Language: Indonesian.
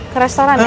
ke restoran ya